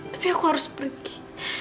tapi aku harus pergi